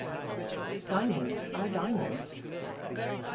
Diamonds Are Diamonds.